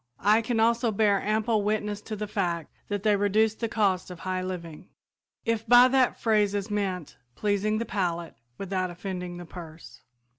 I can also bear ample witness to the fact that they reduce the cost of high living, if by that phrase is meant pleasing the palate without offending the purse.